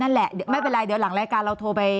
ไม่เป็นไรเดี๋ยวหลังรายการเราโทรไป